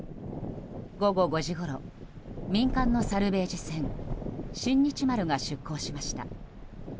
午後５時ごろ民間のサルベージ船「新日丸」が出航しました。